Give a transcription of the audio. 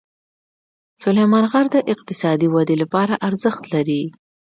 سلیمان غر د اقتصادي ودې لپاره ارزښت لري.